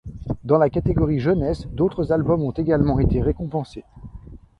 Dans la catégorie jeunesse, d'autres albums ont également été récompensés.